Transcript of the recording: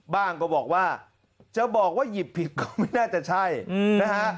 ก็บอกว่าจะบอกว่าหยิบผิดก็ไม่น่าจะใช่นะฮะ